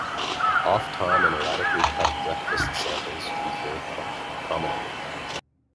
Off-time and erratically cut breakbeat samples feature prominently.